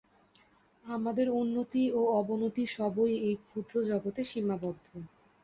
আমাদের উন্নতি ও অবনতি সবই এই ক্ষুদ্র জগতে সীমাবদ্ধ।